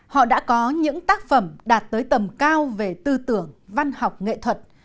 họ đã có những tác phẩm đạt tới tầm cao về tư tưởng văn học nghệ thuật